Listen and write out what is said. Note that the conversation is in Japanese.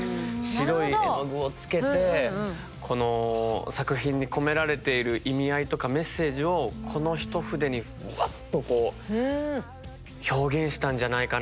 白い絵の具をつけてこの作品に込められている意味合いとかメッセージをこの一筆にワッとこう表現したんじゃないかなと思って。